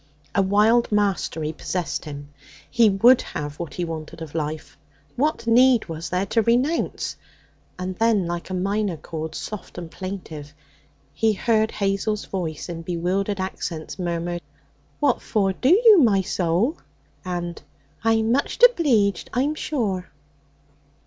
A wild mastery possessed him. He would have what he wanted of life. What need was there to renounce? And then, like a minor chord, soft and plaintive, he heard Hazel's voice in bewildered accents murmur: 'What for do you, my soul?' and, 'I'm much obleeged, I'm sure.'